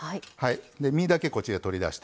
身だけこっちで取り出してます。